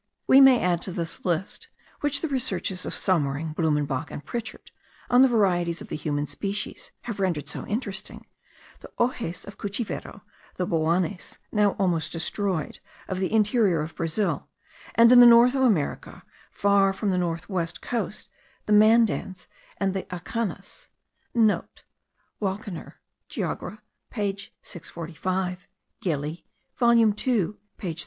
We may add to this list (which the researches of Sommering, Blumenbach, and Pritchard, on the varieties of the human species, have rendered so interesting) the Ojes of the Cuchivero, the Boanes (now almost destroyed) of the interior of Brazil, and in the north of America, far from the north west coast, the Mandans and the Akanas (Walkenaer, Geogr. page 645. Gili volume 2 page 34.